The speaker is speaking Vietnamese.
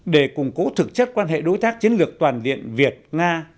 để củng cố thực chất quan hệ đối tác chiến lược toàn diện việt nga